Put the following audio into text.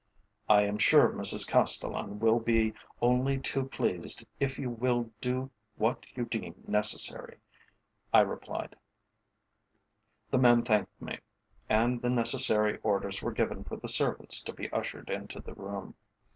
"I am sure Mrs Castellan will be only too pleased if you will do what you deem necessary," I replied. The man thanked me, and the necessary orders were given for the servants to be ushered into the room.